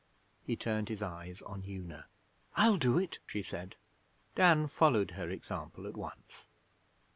He turned his eyes on Una. 'I'll do it,' she said. Dan followed her example at once.